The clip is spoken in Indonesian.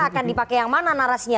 akan dipakai yang mana narasinya